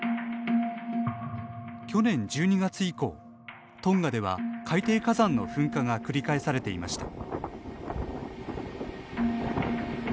去年１２月以降、トンガでは海底火山の噴火が繰り返されていました。